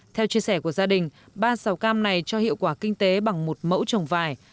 theo chia sẻ của gia đình ba sầu cam này cho hiệu quả kinh tế bằng một mẫu trồng vải